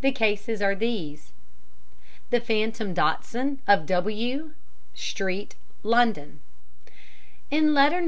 The cases are these: The Phantom Dachshund of W St., London, W. In letter No.